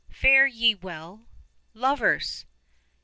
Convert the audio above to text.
Fare ye well, Lovers!